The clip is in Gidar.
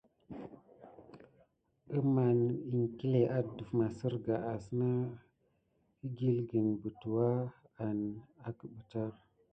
Əmɑŋə iŋklé adef masirka asna ki di kil butua an akebitka.